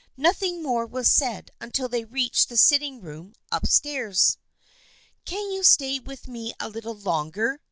Nothing more was said until they reached the sitting room up stairs. " Can you stay with me a little longer